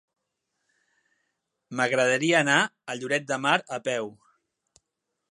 M'agradaria anar a Lloret de Mar a peu.